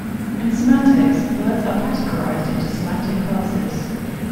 In semantics, words are categorized into semantic classes.